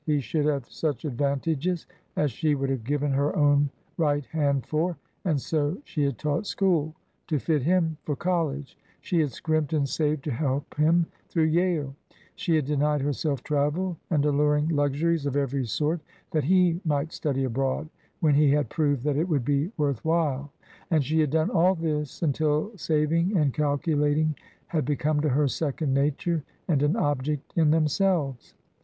He should have such advantages as she would have given her own right hand for. And so she had taught school to fit him for college ; she had scrimped and saved to help him through Yale; she had denied herself travel and alluring luxuries of every sort that he might study abroad when he had proved that it would be worth while; and she had done all this until saving and calculating had become to her second nature and an object in themselves.